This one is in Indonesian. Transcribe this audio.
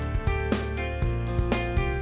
aduh aduh aduh aduh